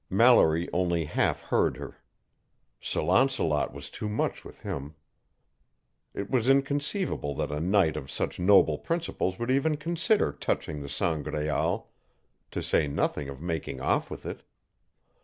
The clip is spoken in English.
Mallory only half heard her. Sir Launcelot was too much with him. It was inconceivable that a knight of such noble principles would even consider touching the Sangraal, to say nothing of making off with it.